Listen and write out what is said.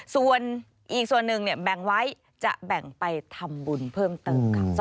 ส่วนอีกส่วนหนึ่งแบ่งไว้จะแบ่งไปทำบุญเพิ่มเติมค่ะ